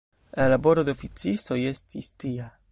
La laboro de oficistoj estis tia.